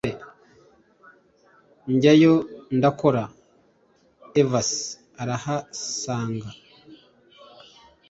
njyayo ndakora Evase arahansanga